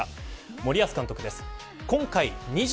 森保監督です。